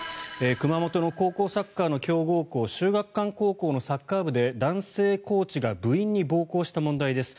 熊本の高校サッカーの強豪校秀岳館高校のサッカー部で男性コーチが部員に暴行した問題です。